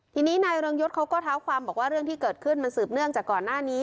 ทีนี้นายเรืองยศเขาก็เท้าความบอกว่าเรื่องที่เกิดขึ้นมันสืบเนื่องจากก่อนหน้านี้